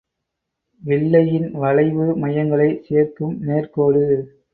வில்லையின் வளைவு மையங்களைக் சேர்க்கும் நேர்க் கோடு.